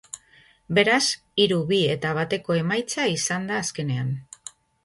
Beraz, hiru, bi eta bateko emaitza izan da azkenean.